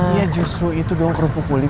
iya justru itu doang kerupuk kulit